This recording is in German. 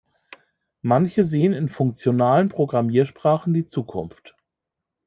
Manche sehen in funktionalen Programmiersprachen die Zukunft.